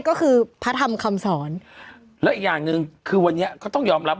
ก็คือพระธรรมคำสอนแล้วอีกอย่างหนึ่งคือวันนี้ก็ต้องยอมรับ